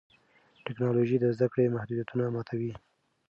ټیکنالوژي د زده کړې محدودیتونه ماتوي.